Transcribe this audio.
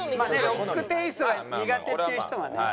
ロックテイストが苦手っていう人はね。